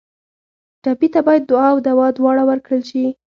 ټپي ته باید دعا او دوا دواړه ورکړل شي.